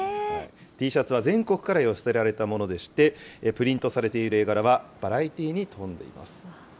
Ｔシャツは全国から寄せられたものでして、プリントされている絵柄はバラエティーに富んでいます。